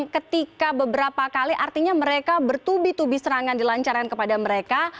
ketika beberapa kali artinya mereka bertubi tubi serangan dilancarkan kepada mereka